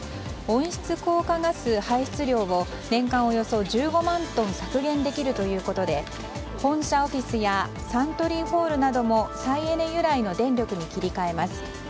温室効果ガス排出量を年間およそ１５万トン削減できるということで本社オフィスやサントリーホールなども再エネ由来の電力に切り替えます。